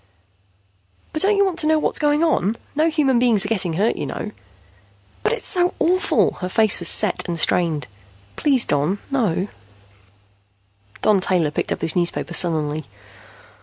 "But don't you want to know what's going on? No human beings are getting hurt, you know." "But it's so awful!" Her face was set and strained. "Please, no, Don." Don Taylor picked up his newspaper sullenly.